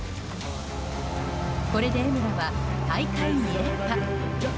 これで江村は大会２連覇。